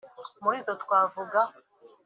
muri zo twavuga